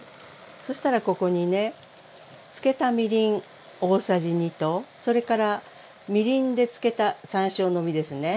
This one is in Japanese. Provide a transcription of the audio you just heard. そしたらここにね漬けたみりん大さじ２とそれからみりんで漬けた山椒の実ですね